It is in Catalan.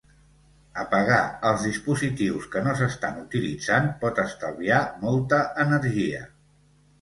Apagar els dispositius que no s'estan utilitzant pot estalviar molta energia.